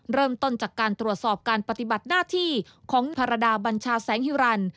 เริ่มต้นจากการตรวจสอบการปฏิบัติหน้าที่ของภรรยาบัญชาแสงฮิรันดิ